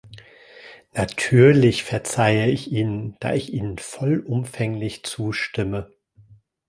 Natürlich verzeihe ich Ihnen, da ich Ihnen vollumfänglich zustimme.